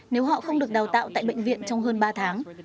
nếu họ không được đào tạo tại bệnh viện trong hơn ba tháng